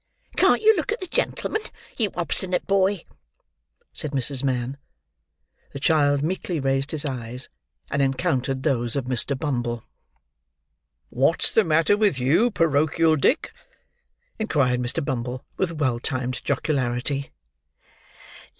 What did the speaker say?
"Can't you look at the gentleman, you obstinate boy?" said Mrs. Mann. The child meekly raised his eyes, and encountered those of Mr. Bumble. "What's the matter with you, porochial Dick?" inquired Mr. Bumble, with well timed jocularity.